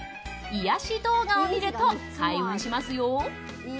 癒やし動画を見ると開運しますよ。